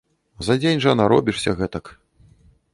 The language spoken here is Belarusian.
За дзень жа наробішся гэтак.